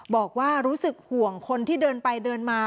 บอกว่ารู้สึกห่วงคนที่เดินไปเดินมา